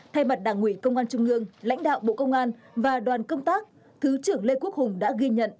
thay mặt đảng ủy công an trung ương lãnh đạo bộ công an và đoàn công tác thứ trưởng lê quốc hùng đã ghi nhận